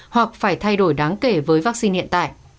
hoặc phải thay đổi đáng kể với vaccine hiện tại